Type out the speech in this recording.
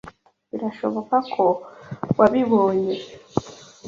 Birashoboka ko wabibonye.